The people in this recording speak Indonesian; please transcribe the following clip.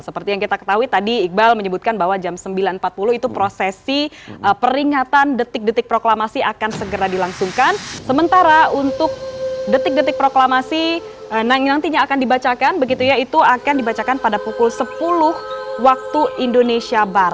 seperti yang kita ketahui tadi iqbal menyebutkan bahwa jam sembilan empat puluh itu prosesi